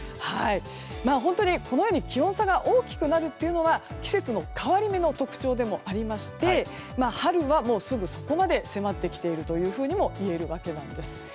本当に、このように気温差が大きくなるというのは季節の変わり目の特徴でもありまして春は、もうすぐそこまで迫ってきているというふうにもみえるわけなんです。